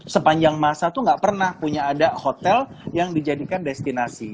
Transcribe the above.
sepanjang masa tuh gak pernah punya ada hotel yang dijadikan destinasi